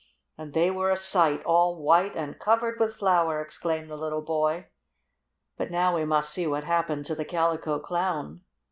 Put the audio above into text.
"And they were a sight, all white and covered with flour!" exclaimed the little boy. But now we must see what happened to the Calico Clown.